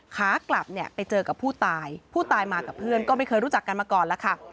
ขากลับเนี่ยไปเจอกับผู้ตายผู้ตายมากับเพื่อนก็ไม่เคยรู้จักกันมาก่อนแล้วค่ะ